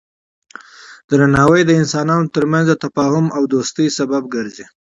درناوی د انسانانو ترمنځ د تفاهم او دوستی لامل ګرځي.